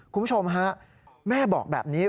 คุณผู้ชมฮะแม่บอกแบบนี้